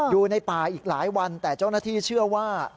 อยู่ในป่าอีกหลายวันแต่เจ้าหน้าที่เชื่อว่า